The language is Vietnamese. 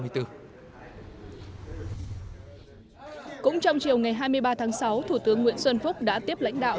cũng trong chiều ngày hai mươi ba tháng sáu thủ tướng nguyễn xuân phúc đã tiếp lãnh đạo